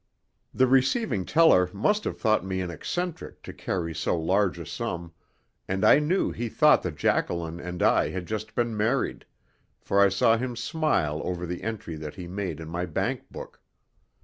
The receiving teller must have thought me an eccentric to carry so large a sum, and I know he thought that Jacqueline and I had just been married, for I saw him smile over the entry that he made in my bank book.